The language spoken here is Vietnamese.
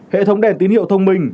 hệ thống đèn tín hiệu thông minh